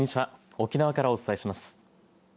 沖縄からお伝えします。